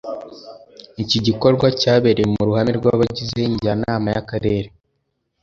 Iki gikorwa cyabereye mu ruhame rw’Abagize Njyanama y’Akarere